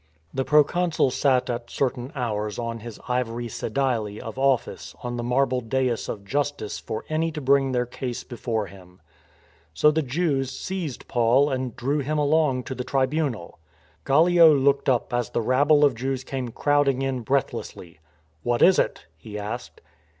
The proconsul sat at certain hours on his ivory sedile of office on the marble dais of justice for any to bring their case before him. So the Jews seized Paul and drew him along to the Tribunal. Gallio looked up as the rabble of Jews came crowd ing in breathlessly. "What is it?" he asked.